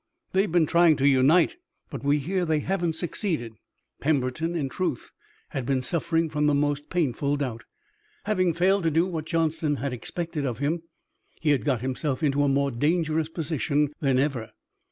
"They've been trying to unite, but we hear they haven't succeeded." Pemberton, in truth, had been suffering from the most painful doubt. Having failed to do what Johnston had expected of him, he had got himself into a more dangerous position than ever.